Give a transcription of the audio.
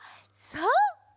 そう。